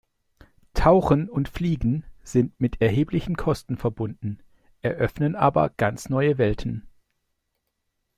Tauchen und Fliegen sind mit erheblichen Kosten verbunden, eröffnen aber ganz neue Welten.